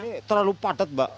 rumah ini terlalu padat pak